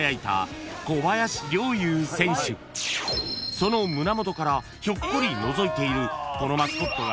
［その胸元からひょっこりのぞいているこのマスコットが］